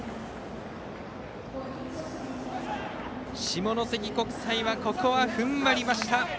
下関国際はここは踏ん張りました。